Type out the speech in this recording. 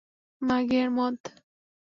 মাগি আর মদ।